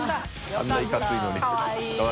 あんないかついのに。